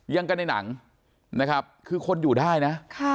ยังกันในหนังนะครับคือคนอยู่ได้นะ